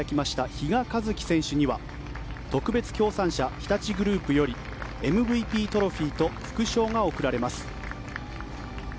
比嘉一貴選手には特別協賛社・日立グループよりＭＶＰトロフィーと副賞が贈られます。